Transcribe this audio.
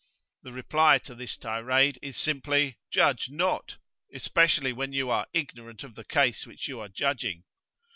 The reply to this tirade is simply, "Judge not; especially when you are ignorant of the case which you are judging."